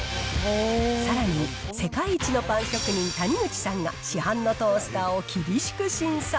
さらに、世界一のパン職人、谷口さんが、市販のトースターを厳しく審査。